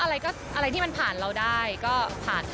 อะไรที่มันผ่านเราได้ก็ผ่าน